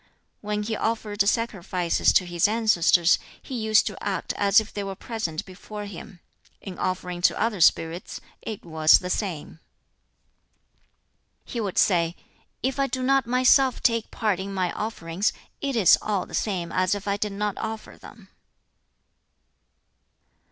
When he offered sacrifices to his ancestors, he used to act as if they were present before him. In offering to other spirits it was the same. He would say, "If I do not myself take part in my offerings, it is all the same as if I did not offer them."